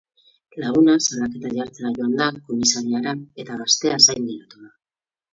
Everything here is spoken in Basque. Laguna salaketa jartzera joan da komisariara eta gaztea zain geratu da.